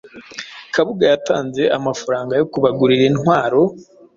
Kabuga yatanze amafaranga yo kubagurira intwaro,